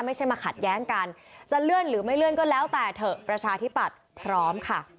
ไม่ใช่มาขัดแย้งกันจะเลื่อนหรือไม่เลื่อนก็แล้วแต่เถอะประชาธิปัตย์พร้อมค่ะ